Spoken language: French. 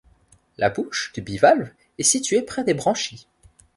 La bouche du bivalve est situé près des branchies.